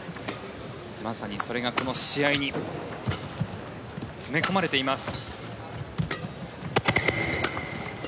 まさにそれがこの試合に詰め込まれています。